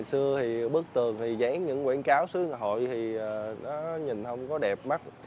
hồi xưa thì bức tường dán những quảng cáo xuống hội thì nó nhìn không có đẹp mắt